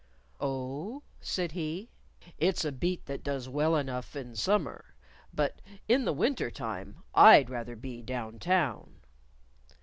"Oh?" said he. "It's a beat that does well enough in summer. But in the wintertime I'd rather be Down Town."